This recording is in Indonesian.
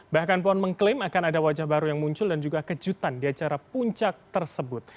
bahkan puan mengklaim akan ada wajah baru yang muncul dan juga kejutan di acara puncak tersebut